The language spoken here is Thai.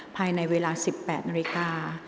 ภายในเวลา๑๘นาฬิกา